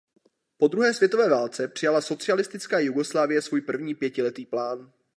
Po druhé světové válce přijala socialistická Jugoslávie svůj první pětiletý plán.